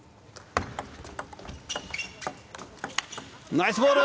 ナイスボール！